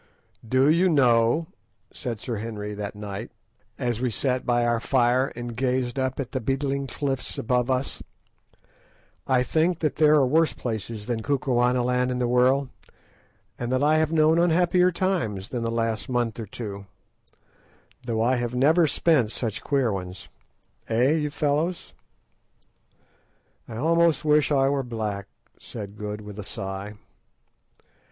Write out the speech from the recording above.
"Do you know," said Sir Henry that night, as we sat by our fire and gazed up at the beetling cliffs above us, "I think that there are worse places than Kukuanaland in the world, and that I have known unhappier times than the last month or two, though I have never spent such queer ones. Eh! you fellows?" "I almost wish I were back," said Good, with a sigh.